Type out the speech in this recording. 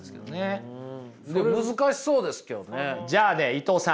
じゃあね伊藤さん。